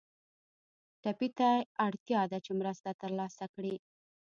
ټپي ته اړتیا ده چې مرسته تر لاسه کړي.